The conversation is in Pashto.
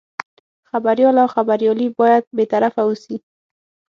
خبریال او خبریالي باید بې طرفه اوسي.